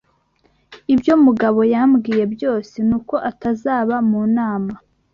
Ibyo Mugabo yambwiye byose ni uko atazaba mu nama.